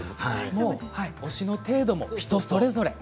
推しの程度も人それぞれ。